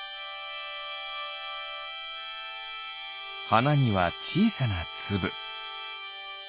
はなにはちいさなつぶ。